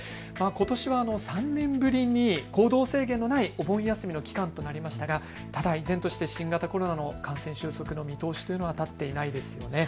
ことしは３年ぶりに行動制限のないお盆休みの期間となりましたがまだ依然として新型コロナの感染収束の見通しというのは立っていないですよね。